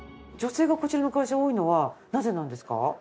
女性がこちらの会社多いのはなぜなんですか？